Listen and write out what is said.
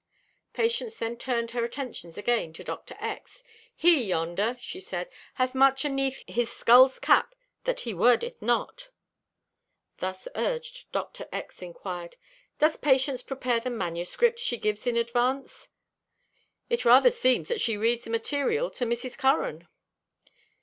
Patience then turned her attentions again to Dr. X. "He yonder," she said, "hath much aneath his skull's cap that he wordeth not." Thus urged, Dr. X. inquired: "Does Patience prepare the manuscript she gives in advance? It rather seems that she reads the material to Mrs. Curran."